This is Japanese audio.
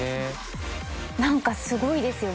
何かすごいですよね。